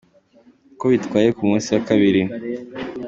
Uko bitwaye ku munsi wa kabiri.